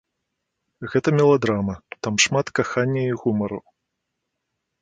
Гэта меладрама, там шмат кахання і гумару.